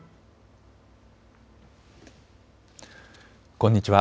こんにちは。